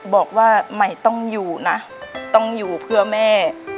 บอกว่าใหม่ต้องอยู่นะต้องอยู่เพื่อแม่